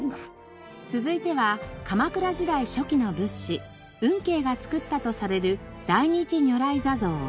続いては鎌倉時代初期の仏師運慶が造ったとされる大日如来坐像。